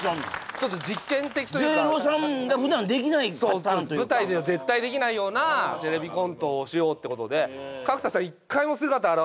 ちょっと実験的というか０３が普段できないパターンというか舞台では絶対できないようなテレビコントをしようってことで声だけだもんね